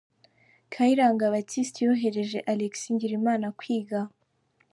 Kayiranga Baptiste yorohereje Alexis Ngirimana kwiga.